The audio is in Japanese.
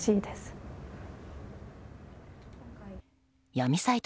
闇サイト